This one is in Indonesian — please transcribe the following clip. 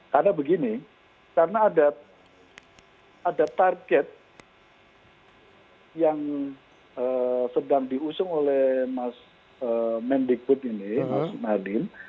karena begini karena ada target yang sedang diusung oleh mas mendikbud ini mas nadin